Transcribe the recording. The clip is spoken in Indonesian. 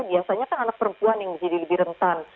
biasanya kan anak perempuan yang menjadi lebih rentan